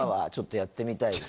やってみたいです。